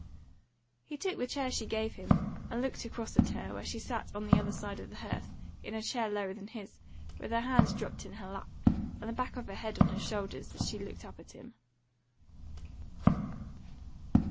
He took the chair she gave him, and looked across at her, where she sat on the other side of the hearth, in a chair lower than his, with her hands dropped in her lap, and the back of her head on her shoulders as she looked up at him.